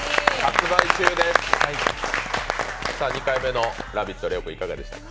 ２回目の「ラヴィット！」、ＬＥＯ君いかがでしたか。